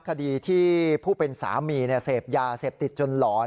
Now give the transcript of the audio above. คดีที่ผู้เป็นสามีเสพยาเสพติดจนหลอน